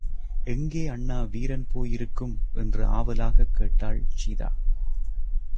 எங்கே அண்ணா வீரன் போயிருக்கும் என்று ஆவலாகக் கேட்டாள் சீதா.